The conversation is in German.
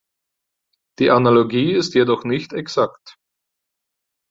Die Analogie ist jedoch nicht exakt.